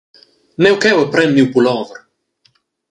Neu cheu e pren miu pullover.